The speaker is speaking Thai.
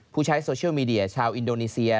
ผู้ใช้โซเชียลมีเดียชาวอินโดนีเซีย